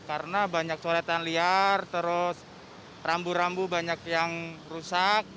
karena banyak soletan liar terus rambu rambu banyak yang rusak